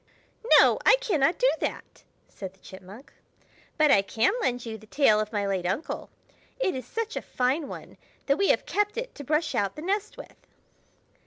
"No, I cannot do that," said the Chipmunk, "but I can lend you the tail of my late uncle. It is such a fine one that we have kept it to brush out the nest with."